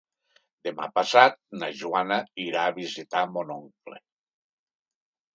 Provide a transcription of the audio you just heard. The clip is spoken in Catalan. Demà passat na Joana irà a visitar mon oncle.